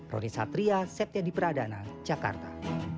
roni satria septia di pradana jakarta